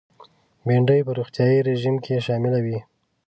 بېنډۍ په روغتیایي رژیم کې شامله وي